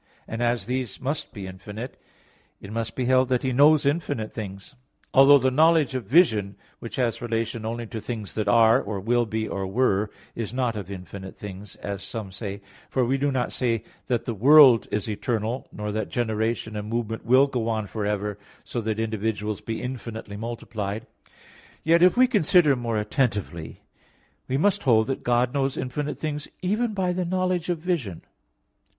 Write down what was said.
9), and as these must be infinite, it must be held that He knows infinite things. Although the knowledge of vision which has relation only to things that are, or will be, or were, is not of infinite things, as some say, for we do not say that the world is eternal, nor that generation and movement will go on for ever, so that individuals be infinitely multiplied; yet, if we consider more attentively, we must hold that God knows infinite things even by the knowledge of vision.